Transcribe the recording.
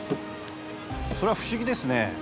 それは不思議ですね。